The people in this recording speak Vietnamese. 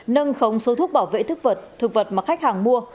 nâng khống số thuốc bảo vệ thực vật mà khách hàng mua